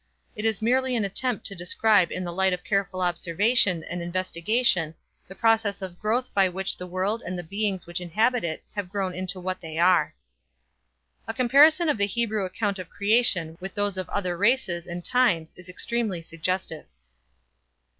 It is merely an attempt to describe in the light of careful observation and investigation the process of growth by which the world and the beings which inhabit it have grown into what they are. A comparison of the Hebrew account of creation with those of other races and times is extremely suggestive.